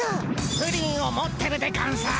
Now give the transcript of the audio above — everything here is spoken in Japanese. プリンを持ってるでゴンス。